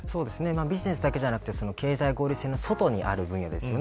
ビジネスだけではなく経済合理性の外にあるところですよね